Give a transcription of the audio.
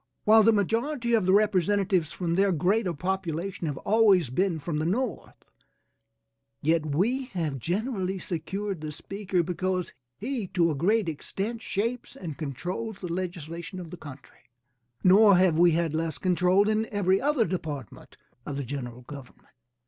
While the majority of the representatives, from their greater population, have always been from the North, yet we have generally secured the speaker because he to a great extent shapes and controls the legislation of the country, nor have we had less control in every other department of the general government.